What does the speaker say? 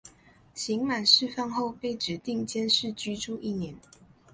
刑满释放后被指定监视居住一年。